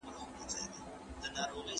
پر زړو خوړو شخوندونه یې وهله